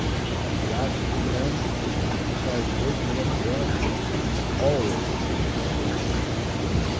A blast from them, besides waking up the audience, always means something.